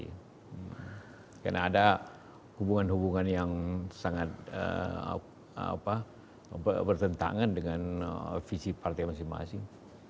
karena ada hubungan hubungan yang sangat bertentangan dengan visi partai masing masing